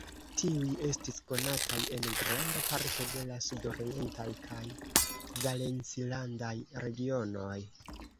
Tiuj estis konataj en granda parto de la sudorientaj kaj valencilandaj regionoj.